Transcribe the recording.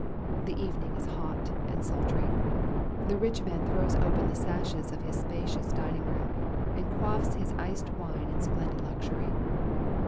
The evening is hot and sultry. The rich man throws open the sashes of his spacious dining room, and quaffs his iced wine in splendid luxury.